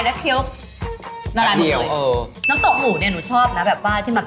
ไม่อร่อยแต่อันเนี่ยแค่เข้าไปกั้งแค๊บ